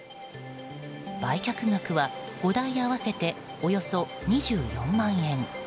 売却額は５台合わせておよそ２４万円。